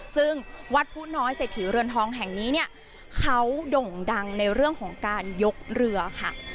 ซึ่งวัดผู้น้อยเศรษฐีเรือนทองแห่งนี้เนี่ยเขาด่งดังในเรื่องของการยกเรือค่ะ